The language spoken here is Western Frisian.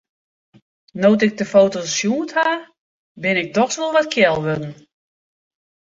No't ik de foto's sjoen ha, bin ik dochs wol wat kjel wurden.